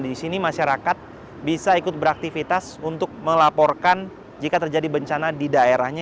di sini masyarakat bisa ikut beraktivitas untuk melaporkan jika terjadi bencana di daerahnya